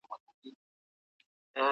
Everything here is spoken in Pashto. ایا کورني سوداګر ممیز اخلي؟